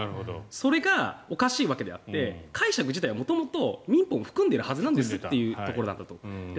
それがおかしいわけであって解釈自体は元々民法を含んでるはずなんですというところなんです。